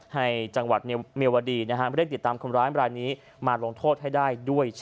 ให้จังหวัดเมียวดีนี่เราไปเรื่องติดตามคนร้ายใบร้านนี้